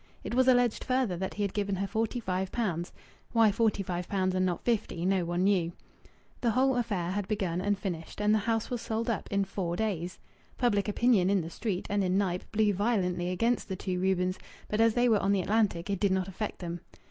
It was alleged further that he had given her forty five pounds. (Why forty five pounds and not fifty, none knew.) The whole affair had begun and finished and the house was sold up in four days. Public opinion in the street and in Knype blew violently against the two Reubens, but as they were on the Atlantic it did not affect them.